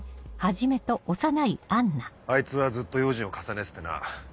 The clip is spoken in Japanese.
あいつはずっと用心を重ねててな。